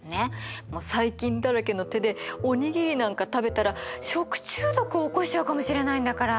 細菌だらけの手でお握りなんか食べたら食中毒を起こしちゃうかもしれないんだから。